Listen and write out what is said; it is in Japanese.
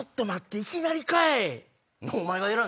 いきなりかい